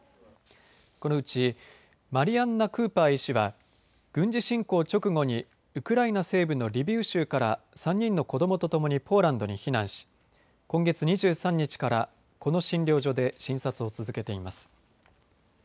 このうち、マリアンナ・クーパー医師は軍事侵攻直後にウクライナ西部のリビウ州から３人の子どもとともにポーランドに避難し今月２３日からこの診療所で診察を続けています。